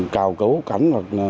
cào cấu cắn hoặc là